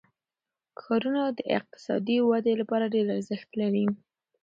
ښارونه د اقتصادي ودې لپاره ډېر ارزښت لري.